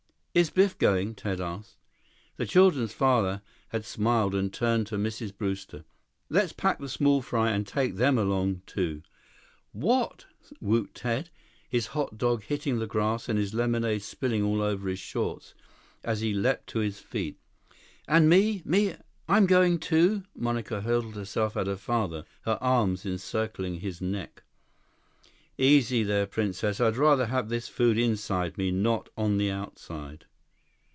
"Is Biff going?" Ted asked. The children's father had smiled and turned to Mrs. Brewster. "Let's pack the small fry and take them along, too." "What!" whooped Ted, his hot dog hitting the grass and his lemonade spilling all over his shorts as he leaped to his feet. "And me? Me? I'm going, too!" Monica hurled herself at her father, her arms circling his neck. "Easy there, princess. I'd rather have this food inside me, not on the outside."